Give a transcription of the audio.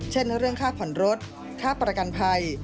เช่นเรื่องค่าผ่อนรถค่าประกันภัย